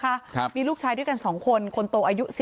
เพราะไม่เคยถามลูกสาวนะว่าไปทำธุรกิจแบบไหนอะไรยังไง